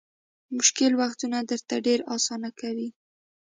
مشکل وختونه درته ډېر اسانه کوي.